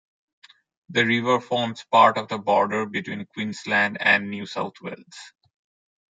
The river forms part of the border between Queensland and New South Wales.